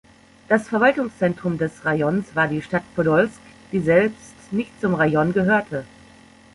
Das Verwaltungszentrum des Rajons war die Stadt Podolsk, die selbst nicht zum Rajon gehörte.